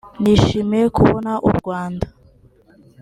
“Nishimiye kubona u Rwanda